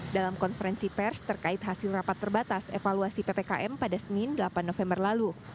dalam konferensi pers terkait hasil rapat terbatas evaluasi ppkm pada senin delapan november lalu